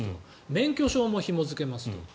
免許証もひも付けますと。